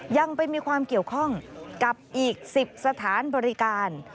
ยังไปมีความเกี่ยวข้องกับอีก๑๐สถานบริการ